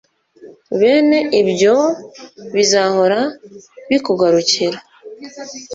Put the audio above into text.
bene ibyo bizahora bikugarukira